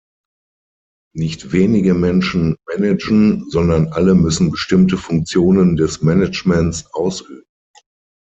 Nicht wenige Menschen managen, sondern alle müssen bestimmte Funktionen des Managements ausüben.